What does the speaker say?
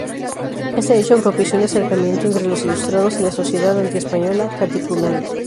Este hecho propició el acercamiento entre los ilustrados y la sociedad antiespañola "Katipunan".